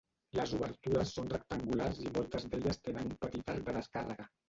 Les obertures són rectangulars i moltes d'elles tenen un petit arc de descàrrega.